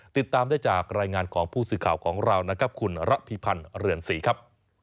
ติดตามได้จากรายงานของผู้สื่อข่าวของเรานะครับคุณระพิพันธ์เรือนศรีครับ